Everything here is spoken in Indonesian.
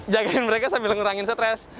jagain mereka sambil ngerangin stres